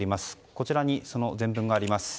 こちらに全文があります。